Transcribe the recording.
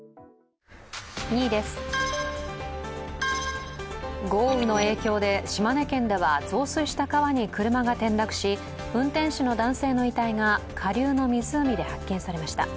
２位です、豪雨の影響で島根県では増水した川に車が転落し、運転手の男性の遺体が下流の湖で発見されました。